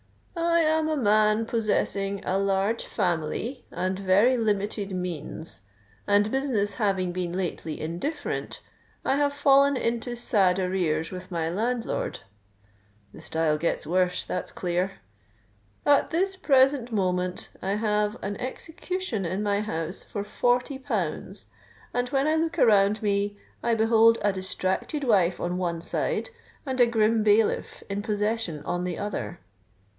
'_I am a man possessing a large family and very limited means; and business having been lately indifferent, I have fallen into sad arrears with my landlord._' The style gets worse—that's clear! '_At this present moment I have an execution in my house for forty pounds; and when I look around me, I behold a distracted wife on one side, and a grim bailiff in possession on the other.